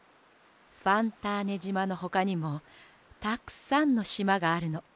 ファンターネじまのほかにもたっくさんのしまがあるの。